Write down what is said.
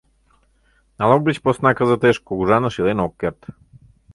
Налог деч посна кызытеш кугыжаныш илен ок керт.